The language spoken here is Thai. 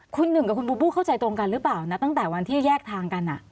คุณหนึ่งกับคุณบูบูเข้าใจตรงกันหรือเปล่านะตั้งแต่วันที่แยกทางกัน